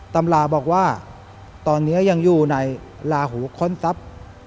ตำราบอกว่าตอนนี้ยังอยู่ในลาหูค้นทรัพย์